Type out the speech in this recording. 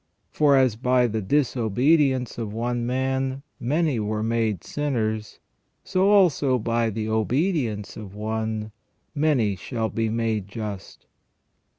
For as by the disobedience of one man, many were made sinners ; so also by the obedience of One, many shall be made just."